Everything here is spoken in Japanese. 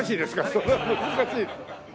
それは難しい。